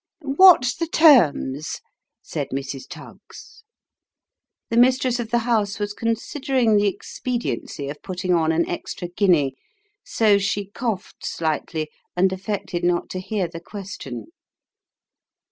" What's the terms ?" said Mrs. Tuggs. The mistress of the house was considering the expediency of putting on an extra guinea ; so, she coughed slightly, and affected not to hear the question.